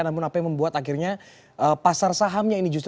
namun apa yang membuat akhirnya pasar sahamnya ini justru